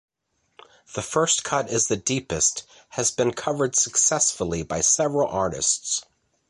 "The First Cut Is the Deepest" has been covered successfully by several artists.